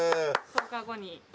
１０日後に？